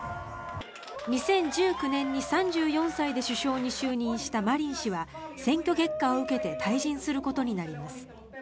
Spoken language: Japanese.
２０１９年に３４歳で首相に就任したマリン氏は選挙結果を受けて退陣することになります。